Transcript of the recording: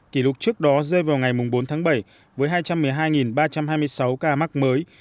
kỷ lục trước đó rơi vào ngày bốn tháng bảy với hai trăm một mươi hai ba trăm hai mươi sáu ca mắc mới